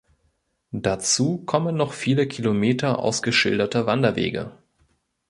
Dazu kommen noch viele Kilometer ausgeschilderter Wanderwege.